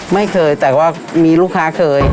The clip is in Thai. ไม่เคยแต่ว่ามีลูกค้าเคย